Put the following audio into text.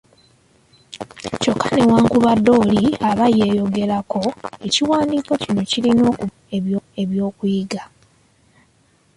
Kyokka newanakubadde oli aba yeeyogerako, ekiwandiiko kino kirina okubaamu eby'okuyiga.